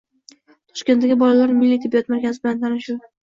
Toshkentdagi Bolalar Milliy tibbiyot markazi bilan tanishuv